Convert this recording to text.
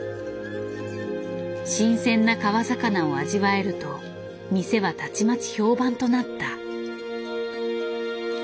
新鮮な川魚を味わえると店はたちまち評判となった。